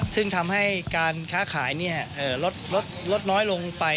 ซึ่งทำให้การค้าขายลดน้อยลงไป